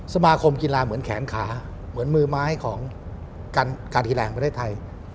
สมาคมกีฬาเหมือนแขนขาเหมือนมือไม้ของการกีฬาแห่งประเทศไทย